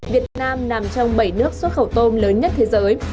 việt nam nằm trong bảy nước xuất khẩu tôm lớn nhất thế giới